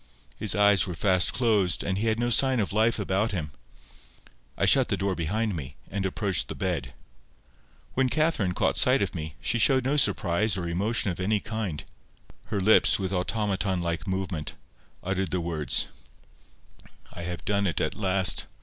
His eyes were fast closed, and he had no sign of life about him. I shut the door behind me, and approached the bed. When Catherine caught sight of me, she showed no surprise or emotion of any kind. Her lips, with automaton like movement, uttered the words— "I have done it at last.